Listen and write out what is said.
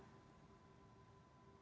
ini juga tidak tepat